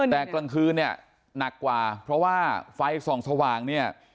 แต่กลางคืนเนี่ยหนักกว่าเพราะว่าไฟส่องสว่างเนี่ย